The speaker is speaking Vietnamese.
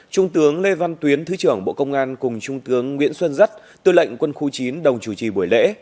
trung tướng lê văn tuyến thứ trưởng bộ công an cùng trung tướng nguyễn xuân rất tư lệnh quân khu chín đồng chủ trì buổi lễ